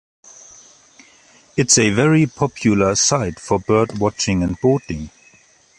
It is a very popular site for bird watching and boating.